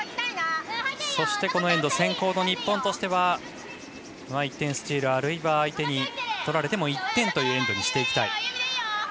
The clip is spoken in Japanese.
そして、このエンド先攻の日本としては１点スチールあるいは相手に取られても１点というエンドにしていきたい。